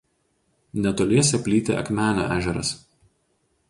Netoliese plyti Akmenio ežeras.